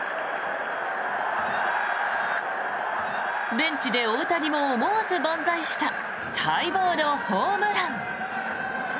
ベンチで大谷も思わず万歳した待望のホームラン。